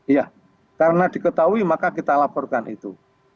iya karena diketahui maka kita laporkan itu